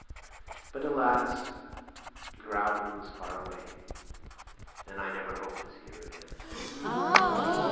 But, alas! Gräuben was far away; and I never hoped to see her again.